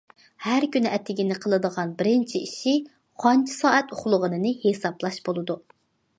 ھەر كۈنى ئەتىگىنى قىلىدىغان بىرىنچى ئىشى قانچە سائەت ئۇخلىغىنىنى ھېسابلاش بولىدۇ.